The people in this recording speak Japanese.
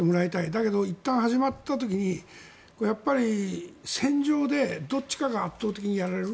だけど、いったん始まった時に戦場でどっちかが圧倒的にやられる。